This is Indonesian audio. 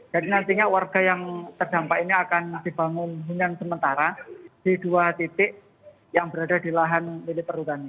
jadi nantinya warga yang terdampak ini akan dibangun hingga sementara di dua titik yang berada di lahan milik perudana